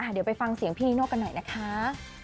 เดี๋ยวไปฟังเสียงพี่นิโน่กันหน่อยนะคะ